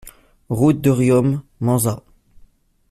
Route de Riom, Manzat